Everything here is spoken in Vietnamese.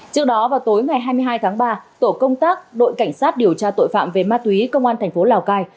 trước đó vào tối ngày hai mươi hai tháng ba tổ công tác đội cảnh sát điều tra tội phạm về ma túy công an thành phố lào cai